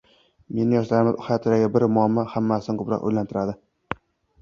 — Meni yoshlarimiz hayotidagi bir muammo hammasidan ko‘proq o‘ylantiradi.